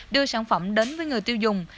đưa sản phẩm đến với người tiêu dùng